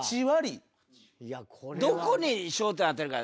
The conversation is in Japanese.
どこに焦点を当てるか。